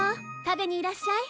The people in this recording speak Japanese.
食べにいらっしゃい。